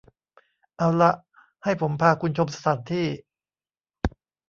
เอาละ ให้ผมพาคุณชมสถานที่